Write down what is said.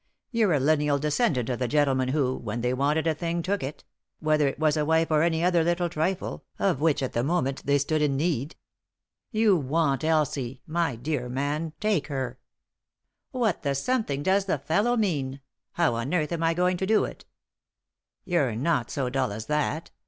You're a lineal descendant of the gentlemen who, when they wanted a thing, took it; whether it was a wife or any other little trifle, of which at the moment they stood in need. You want Elsie — my dear man, take her." 264 3i 9 iii^d by Google THE INTERRUPTED KISS " What the something does the fellow mean ? How on earth am I going to do it ?" "You're not so dull as that.